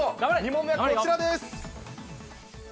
２問目はこちらです。